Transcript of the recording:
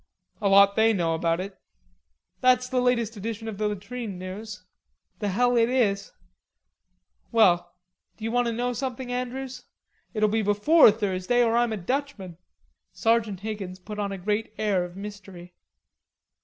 "A lot they know about it." "That's the latest edition of the latrine news." "The hell it is! Well, d'you want to know something, Andrews.... It'll be before Thursday, or I'm a Dutchman." Sergeant Higgins put on a great air of mystery.